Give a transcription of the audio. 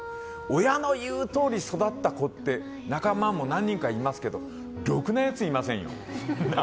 親の言うとおり育った子って仲間も何人かいますけどろくなやついませんよ。